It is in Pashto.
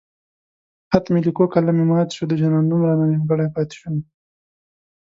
خط مې ليکو قلم مې مات شو د جانان نوم رانه نيمګړی پاتې شونه